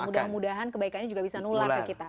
mudah mudahan kebaikannya juga bisa nular ke kita